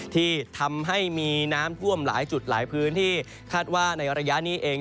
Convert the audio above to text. ที่ทำให้มีน้ำท่วมหลายจุดหลายพื้นที่คาดว่าในระยะนี้เอง